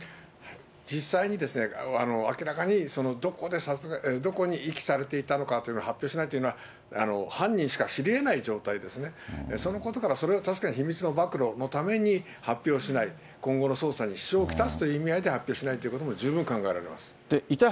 実際に、明らかに、どこに遺棄されていたのかというのを発表しないというのは、犯人しか知りえない状態ですね、そのことから、それは確かに秘密の暴露のために発表しない、今後の捜査に支障を来すという意味合いで発表しないということも十分考えられます。